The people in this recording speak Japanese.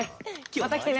またきてね。